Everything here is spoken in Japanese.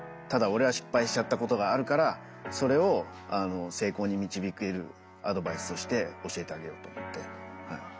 ただ俺は失敗しちゃったことがあるからそれを成功に導けるアドバイスをして教えてあげようと思ってはい。